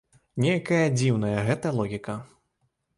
Нейкая дзіўная гэта логіка.